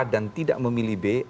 dan tidak memilih b